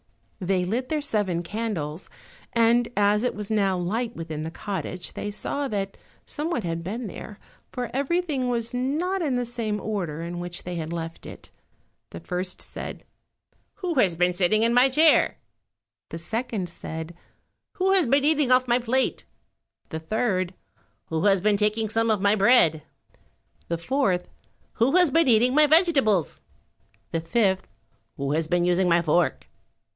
They lit their seven candles, and as it was now light within the cottage they saw that someone had been there, for everything was not in the same order in which they had left it. The first said, "Who has been sitting on my chair?" The second, "Who has been eating off my plate?" The third, "Who has been taking some of my bread?" The fourth, "Who has been eating my vegetables?" The fifth, "Who has been using my fork?"